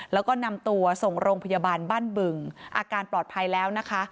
แล้วก็นำตัวส่งโรงพยาบาลบ้านบึงอาการปลอดภัยแล้วนะคะ